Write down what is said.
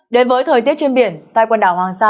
đến với thời tiết trên biển tại quần đảo hoàng sa